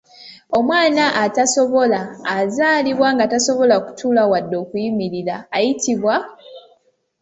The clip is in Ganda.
Omwana atasobola azaalibwa nga tasobola kutuula wadde okuyimirira ayitibwa?